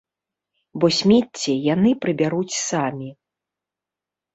Бо смецце яны прыбяруць самі.